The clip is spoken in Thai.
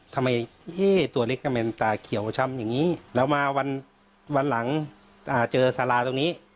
ทำไมตัวเล็กทำไมตาเขียวช้ำอย่างนี้แล้วมาวันหลังเจอสาราตรงนี้